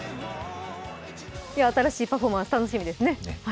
新しいパフォーマンス、楽しみですね。